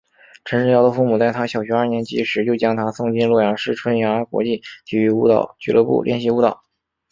陈世瑶的父母在她小学二年级时就将她送进洛阳市春芽国际体育舞蹈俱乐部练习舞蹈。